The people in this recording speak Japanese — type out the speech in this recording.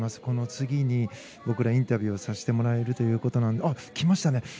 この次に僕ら、インタビューをさせてもらえるという。来ましたね。